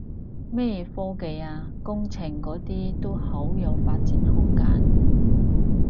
咩科技啊工程嗰啲都好有發展空間